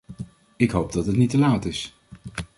Ik hoop dat het niet te laat is.